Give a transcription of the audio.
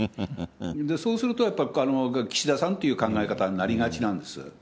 そうするとやっぱり、岸田さんという考え方になりがちなんです。